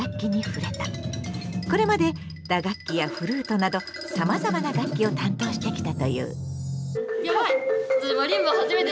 これまで打楽器やフルートなどさまざまな楽器を担当してきたという。